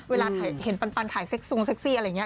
เวลาเห็นปันถ่ายเซ็กซงเซ็กซี่อะไรอย่างนี้